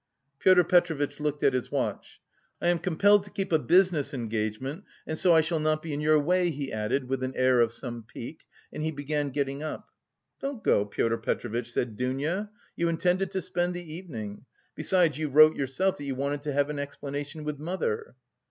Pyotr Petrovitch looked at his watch. "I am compelled to keep a business engagement, and so I shall not be in your way," he added with an air of some pique and he began getting up. "Don't go, Pyotr Petrovitch," said Dounia, "you intended to spend the evening. Besides, you wrote yourself that you wanted to have an explanation with mother."